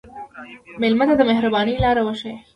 مېلمه ته د مهربانۍ لاره وښیه.